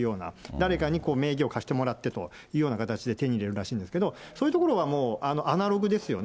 誰かに名義を貸してもらってというような形で、手に入れるらしいんですけど、そういうところはもう、アナログですよね。